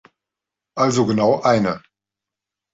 Also genau eine.